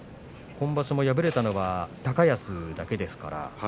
今場所も敗れたのは高安だけです。